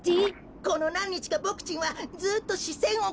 このなんにちかボクちんはずっとしせんをかんじていました。